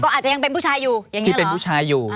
ก็อาจจะยังเป็นผู้ชายอยู่ที่เป็นผู้ชายอยู่